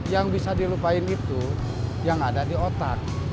yang bisa dilupain itu yang ada di otak